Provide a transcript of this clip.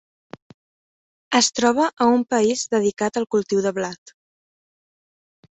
Es troba a un país dedicat al cultiu de blat.